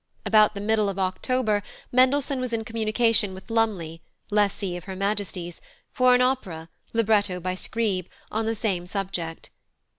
About the middle of October Mendelssohn was in communication with Lumley, lessee of Her Majesty's, for an opera, libretto by Scribe, on the same subject.